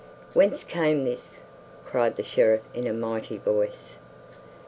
"Whence came this?" cried the Sheriff in a mighty voice.